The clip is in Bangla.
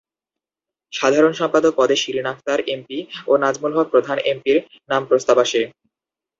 সাধারণ সম্পাদক পদে শিরীন আখতার এমপি ও নাজমুল হক প্রধান এমপি-র নাম প্রস্তাব আসে।